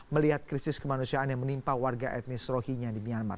melihat krisis kemanusiaan yang menimpa warga etnis rohinya di myanmar